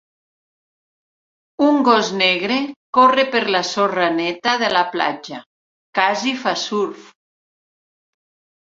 Un gos negre corre per la sorra neta de la platja, casi fa surf.